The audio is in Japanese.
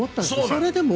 それでも。